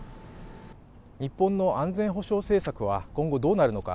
日本の安全保障政策は今後どうなるのか。